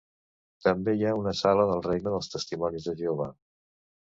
També hi ha una sala del Regne dels Testimonis de Jehovà.